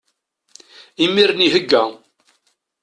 Imiren ihegga.